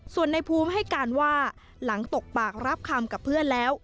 ส่วนในภูมิให้การว่าหลังตกปากรับคำกับเพื่อนแล้ว